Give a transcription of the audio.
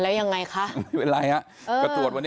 ตำรวจต้องไล่ตามกว่าจะรองรับเหตุได้